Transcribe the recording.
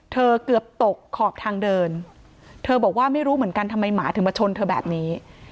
เกือบตกขอบทางเดินเธอบอกว่าไม่รู้เหมือนกันทำไมหมาถึงมาชนเธอแบบนี้